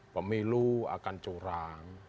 pemilu akan curang